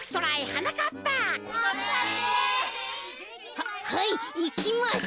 ははいいきます。